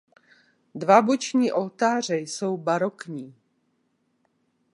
Dva boční oltáře jsou barokní.